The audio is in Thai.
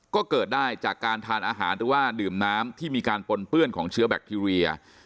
ก็เกิดได้จากการทานอาหารหรือว่าดื่มน้ำที่มีการปนเปื้อนของเชื้อแบคทีเรีย